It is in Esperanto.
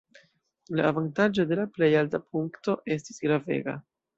La avantaĝo de la plej alta punkto estis gravega.